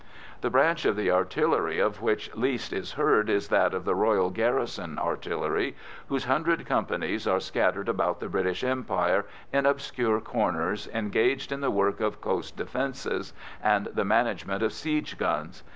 The branch of the Artillery of which least is heard is that of the Royal Garrison Artillery, whose hundred companies are scattered about the British Empire in obscure corners, engaged in the work of coast defence and the management of siege guns.